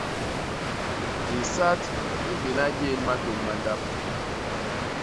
Hisat hi mbéna yén matôm ma ndap.